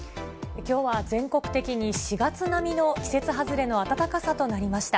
きょうは全国的に４月並みの季節外れの暖かさとなりました。